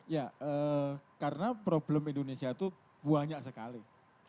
ya karena problem indonesia itu banyak sekali